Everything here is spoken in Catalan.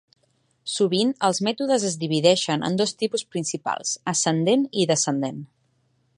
Sovint els mètodes es divideixen en dos tipus principals: "Ascendent" i "Descendent".